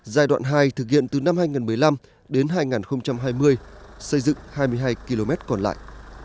giai đoạn hai thực hiện từ năm hai nghìn một mươi năm đến hai nghìn hai mươi xây dựng hai mươi hai km còn lại